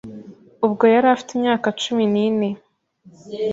ubwo yari afite imyaka cumi nine